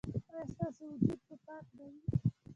ایا ستاسو وجود به پاک نه وي؟